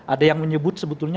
ada yang menyebut sebetulnya